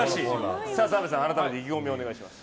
澤部さん、改めて意気込みをお願いします。